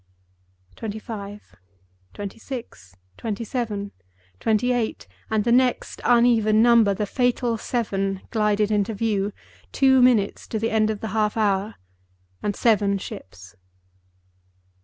Twenty five, twenty six, twenty seven, twenty eight, and the next uneven number—the fatal Seven—glided into view. Two minutes to the end of the half hour. And seven ships.